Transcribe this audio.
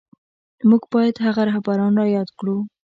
موږ بايد هغه رهبران را ياد کړو.